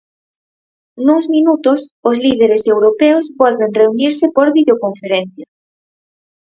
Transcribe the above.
Nuns minutos, os líderes europeos volven reunirse por videoconferencia.